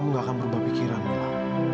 apa kamu gak akan berubah pikiran mila